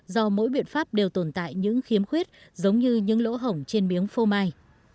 do mỗi biện pháp đều tồn tại những khiếm khuyết giống như những lỗ hổng trên miếng phô mai